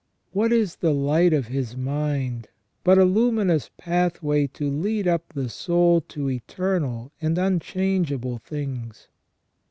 What is the light of his mind but a luminous pathway to lead up the soul to eternal and unchangeable things